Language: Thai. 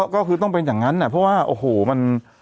ก็คือต้องเป็นอย่างนั้นเพราะว่าโอ้โหมัน